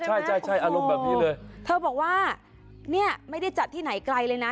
ใช่ใช่อารมณ์แบบนี้เลยเธอบอกว่าเนี่ยไม่ได้จัดที่ไหนไกลเลยนะ